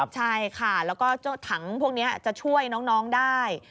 ใช่ค่ะแล้วก็เจ้าถังพวกนี้จะช่วยน้องได้